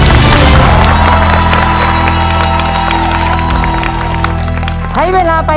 คุณฝนจากชายบรรยาย